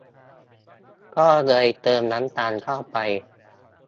ก็เลยเติมน้ำตาลเข้าไป